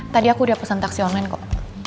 tadi aku udah pesan taksi online kok